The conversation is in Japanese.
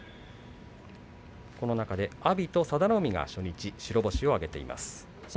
この中で阿炎と佐田の海初日白星を挙げています。